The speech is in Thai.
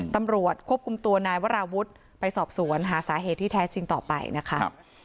ตำรวจควบคุมตัวนายวราวุฒิไปสอบสวนหาสาเหตุที่แท้จริงต่อไปนะคะ